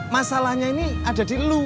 masalahnya ini ada di lu